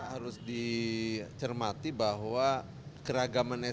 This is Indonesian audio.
harus dicermati bahwa keragaman itu